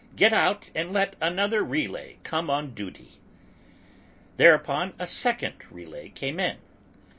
"Get out and let another relay come on duty." Thereupon a second relay came in.